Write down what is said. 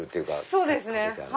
そうですね。